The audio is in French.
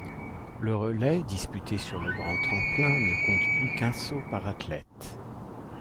Le relais, disputé sur le grand tremplin, ne compte plus qu'un saut par athlète.